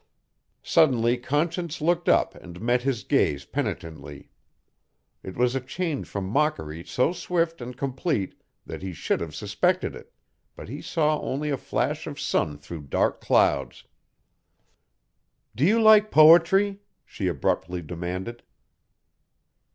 Suddenly Conscience looked up and met his gaze penitently. It was a change from mockery so swift and complete that he should have suspected it, but he saw only a flash of sun through dark clouds. "Do you like poetry?" she abruptly demanded.